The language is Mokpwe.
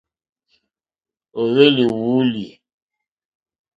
Ó hwélì wòòlì.